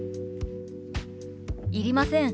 「いりません。